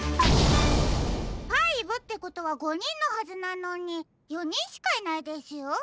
５ってことは５にんのはずなのに４にんしかいないですよ。